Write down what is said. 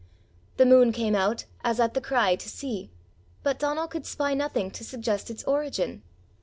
The moon came out, as at the cry, to see, but Donal could spy nothing to suggest its origin.